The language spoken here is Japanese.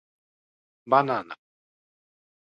ばなな